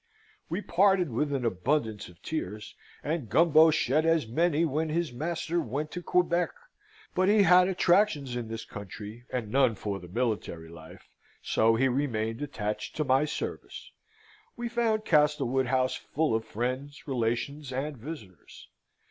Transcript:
We parted with an abundance of tears, and Gumbo shed as many when his master went to Quebec: but he had attractions in this country and none for the military life, so he remained attached to my service. We found Castlewood House full of friends, relations, and visitors.